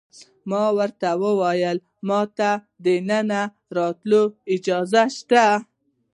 ما ورته وویل: ما ته د دننه راتلو اجازه شته؟